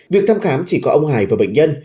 việc thăm khám chỉ có ông hải và bệnh nhân